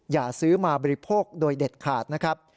อย่าซื้อมาบริโภคโดยเด็ดขาดนะครับ